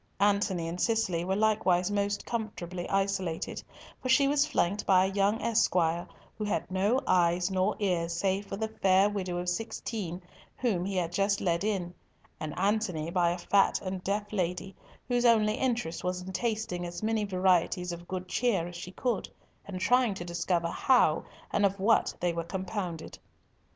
Antony and Cicely were likewise most comfortably isolated, for she was flanked by a young esquire, who had no eyes nor ears save for the fair widow of sixteen whom he had just led in, and Antony, by a fat and deaf lady, whose only interest was in tasting as many varieties of good cheer as she could, and trying to discover how and of what they were compounded.